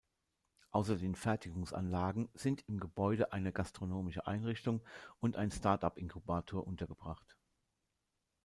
Außer den Fertigungsanlagen sind im Gebäude eine gastronomische Einrichtung und ein Startup-Inkubator untergebracht.